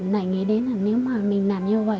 lại nghĩ đến là nếu mà mình làm như vậy